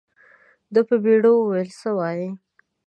ده په بيړه وويل څه وايې.